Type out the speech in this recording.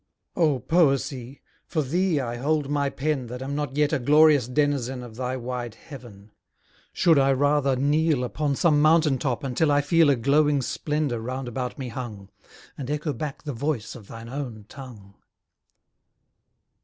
O Poesy! for thee I hold my pen That am not yet a glorious denizen Of thy wide heaven Should I rather kneel Upon some mountain top until I feel A glowing splendour round about me hung, And echo back the voice of thine own tongue?